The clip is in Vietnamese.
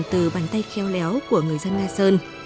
từ bàn tay khéo léo của người dân nga sơn